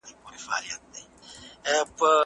راکده پانګه د هيواد ملي اقتصاد ته هيڅ ډول ګټه نه رسوي.